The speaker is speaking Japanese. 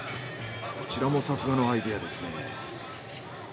こちらもさすがのアイデアですね。